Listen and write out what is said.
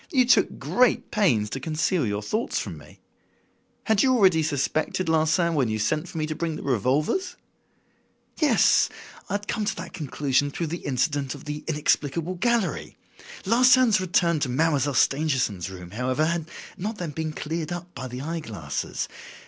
You took great pains to conceal your thoughts from me. Had you already suspected Larsan when you sent for me to bring the revolvers?" "Yes! I had come to that conclusion through the incident of the 'inexplicable gallery.' Larsan's return to Mademoiselle Stangerson's room, however, had not then been cleared up by the eye glasses.